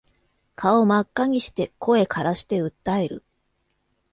顔真っ赤にして声からして訴える